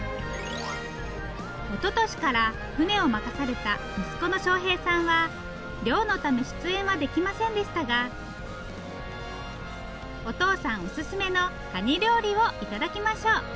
おととしから船を任された息子の鳥井祥平さんは漁のため出演はできませんでしたがお父さんオススメのカニ料理を頂きましょう。